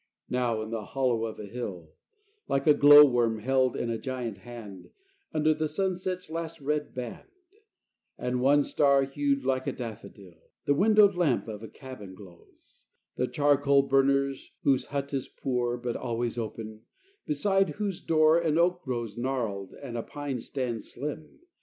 XIII Now in the hollow of a hill, Like a glow worm held in a giant hand, Under the sunset's last red band, And one star hued like a daffodil, The windowed lamp of a cabin glows; The charcoal burner's, whose hut is poor But always open; beside whose door An oak grows gnarled and a pine stands slim.